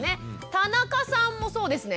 田中さんもそうですね？